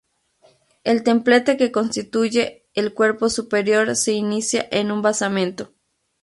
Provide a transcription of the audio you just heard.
El templete que constituye el cuerpo superior se inicia en un basamento.